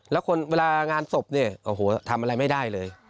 แล้วคนเวลางานศพเนี่ยโอ้โหทำอะไรไม่ได้เลย